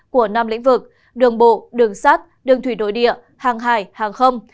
của năm lĩnh vực đường bộ đường sát đường thủy nội địa hàng hải hàng không